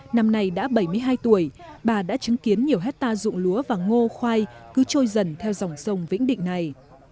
năm nay đã bảy mươi hai tuổi bà đã chứng kiến nhiều hectare dụng lúa và ngô khoai cứ trôi dần theo dòng sông vĩnh định này